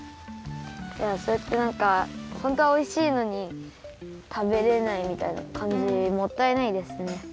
いやそうやってなんかほんとはおいしいのにたべれないみたいなかんじもったいないですね。